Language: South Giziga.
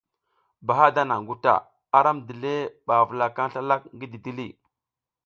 Bahada naŋ guta, aram dile ɓa avulakaŋ slalak ngi didili.